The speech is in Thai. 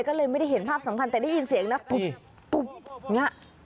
ก็เลยไม่ได้เห็นภาพสำคัญแต่ได้ยินเสียงนะตุ๊บตุ๊บอย่างนี้